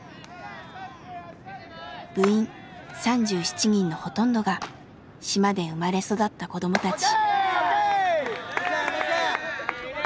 部員３７人のほとんどが島で生まれ育った子供たち。